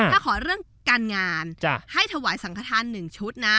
อืมขอเรื่องกันงานจ้ะให้ถุวายสังขทาศน์นึงชุดน่ะ